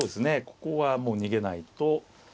ここはもう逃げないと。